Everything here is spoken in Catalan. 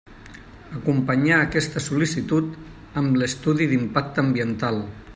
Acompanyà aquesta sol·licitud amb l'estudi d'impacte ambiental.